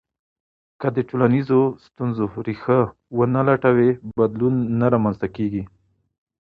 که د ټولنیزو ستونزو ریښه ونه لټوې، بدلون نه رامنځته کېږي.